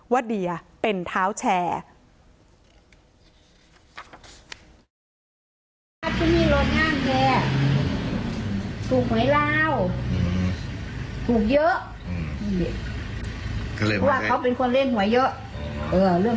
ว่าเดียเป็นเท้าแชร์